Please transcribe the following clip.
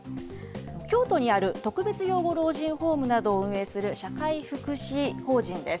京都にある特別養護老人ホームなどを運営する社会福祉法人です。